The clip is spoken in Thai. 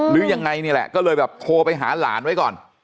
หรือยังไงนี่แหละก็เลยแบบโทรไปหาหลานไว้ก่อน